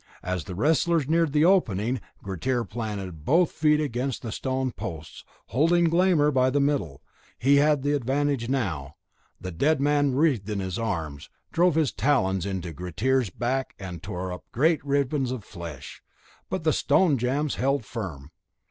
As the wrestlers neared the opening, Grettir planted both his feet against the stone posts, holding Glámr by the middle. He had the advantage now. The dead man writhed in his arms, drove his talons into Grettir's back, and tore up great ribbons of flesh, but the stone jambs held firm.